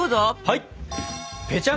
はい！